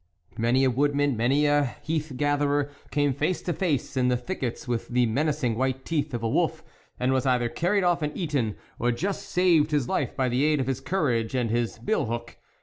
Many a woodman, many a heath gatherer, came face to face in the thickets with the menacing white teeth of a wolf, and was either carried off and eaten, or just saved his life by the aid of his courage and his bill hook.